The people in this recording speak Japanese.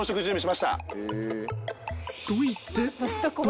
［と言って］